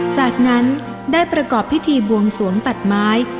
จากนั้นได้ประกอบพิธีบวงสวงตัดไม้